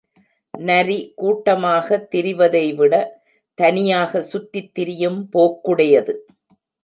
நரி, கூட்டமாக திரிவதை விட, தனியாக சுற்றித்திரியும் போக்குடையது.